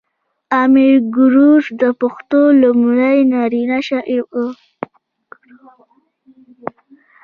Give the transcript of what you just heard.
امیر کروړ د پښتو لومړی نرینه شاعر و .